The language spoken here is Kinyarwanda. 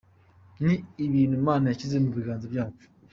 Ni ibintu Imana yashyize mu biganza byacu.